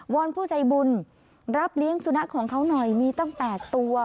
อนผู้ใจบุญรับเลี้ยงสุนัขของเขาหน่อยมีตั้ง๘ตัว